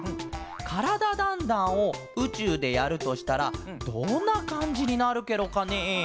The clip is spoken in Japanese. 「からだ☆ダンダン」をうちゅうでやるとしたらどんなかんじになるケロかねえ？